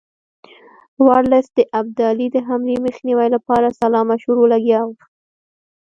ورلسټ د ابدالي د حملې مخنیوي لپاره سلا مشورو لګیا وو.